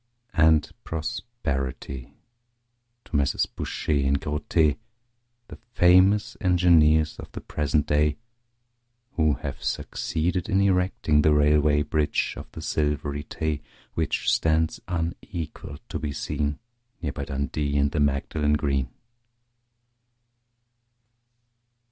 And prosperity to Messrs Bouche and Grothe, The famous engineers of the present day, Who have succeeded in erecting The Railway Bridge of the Silvery Tay, Which stands unequalled to be seen Near by Dundee and the Magdalen Green.